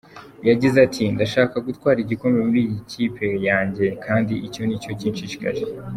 Yagize ati: "Ndashaka gutwara igikombe mu ikipe yanjye kandi icyo ni cyo kinshishikaje".